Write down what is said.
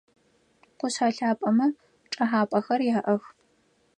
Къушъхьэ лъапэмэ чӏэхьапэхэр яӏэх.